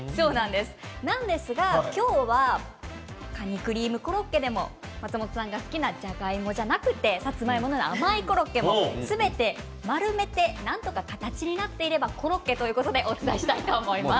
ですが今日はカニクリームコロッケでも松本さんが好きなじゃがいもじゃなくてさつまいもなどの甘いコロッケもすべて丸めて、なんとか形になっていればコロッケということでお伝えしたいと思います。